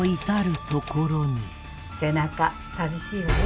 「背中寂しいわよ」